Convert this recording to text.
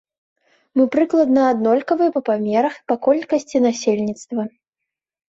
Мы прыкладна аднолькавыя па памерах і па колькасці насельніцтва.